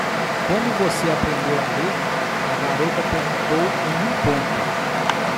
"Como você aprendeu a ler?" a garota perguntou em um ponto.